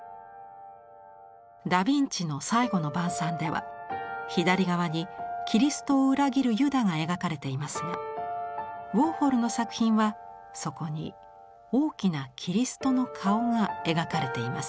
ダ・ヴィンチの「最後の晩餐」では左側にキリストを裏切るユダが描かれていますがウォーホルの作品はそこに大きなキリストの顔が描かれています。